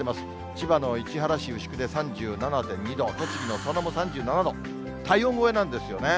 千葉の市原市牛久で３７．２度、栃木の佐野も３７度、体温超えなんですよね。